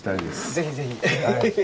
ぜひぜひ。